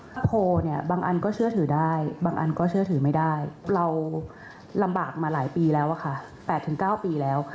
ถ้าโพลเนี่ยบางอันก็เชื่อถือได้บางอันก็เชื่อถือไม่ได้เราลำบากมาหลายปีแล้วอะค่ะ๘๙ปีแล้ว